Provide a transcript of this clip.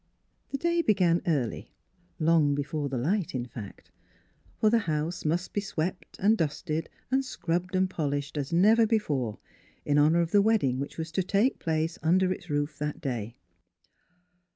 The day began early — long before the light, in fact ; for the house must be swept and dusted and scrubbed and polished, as never before, in honour of the wedding which was to take place under its roof that day.